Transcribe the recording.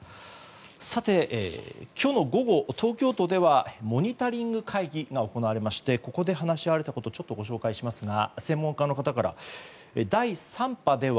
さて、今日の午後東京都ではモニタリング会議が行われましてここで話し合われたことをご紹介しますが専門家の方から、第３波では。